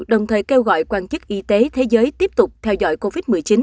đồng thời kêu gọi quan chức y tế thế giới tiếp tục theo dõi covid một mươi chín